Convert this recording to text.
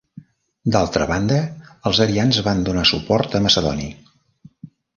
D'altra banda, els arians van donar suport a Macedoni.